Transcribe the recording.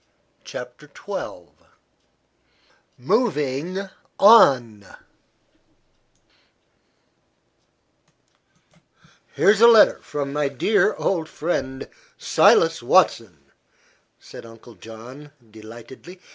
'" CHAPTER XII MOVING ON "Here's a letter from my dear old friend Silas Watson," said Uncle John, delightedly.